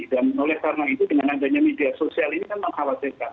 dan oleh karena itu dengan adanya media sosial ini kan mengkhawatirkan